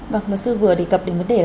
và bác sư vừa đề cập đến vấn đề